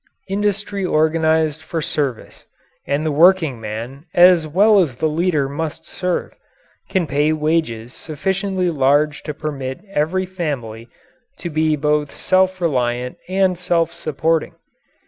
Industry organized for service and the workingman as well as the leader must serve can pay wages sufficiently large to permit every family to be both self reliant and self supporting.